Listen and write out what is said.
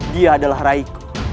dia adalah raiku